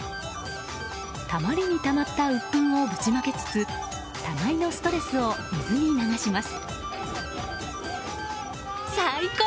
たまりにたまったうっぷんをぶちまけつつ互いのストレスを水に流します。